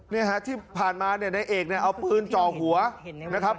เนี่ยฮะที่ผ่านมาเนี่ยนายเอกเนี่ยเอาปืนจ่อหัวนะครับ